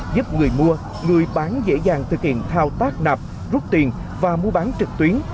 giúp người mua người bán dễ dàng thực hiện thao tác nạp rút tiền và mua bán trực tuyến